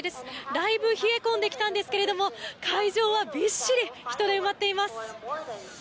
だいぶ冷え込んできたんですが会場はびっしり人で埋まっています。